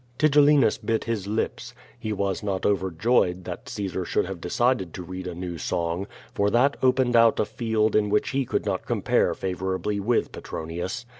Tigellinus bit his lips. He was not overjoyed that Caesar should have decided to read a new song, for that opened out a field in which he could not compare favorably with Petron ius.